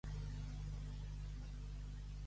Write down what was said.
L'amor la pinten cega.